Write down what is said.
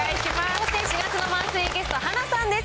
そして４月のマンスリーゲスト、はなさんです。